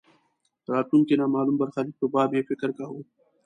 د راتلونکې نامالوم برخلیک په باب یې فکر کاوه.